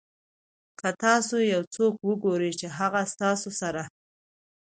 که تاسو یو څوک وګورئ چې هغه ستاسو سره.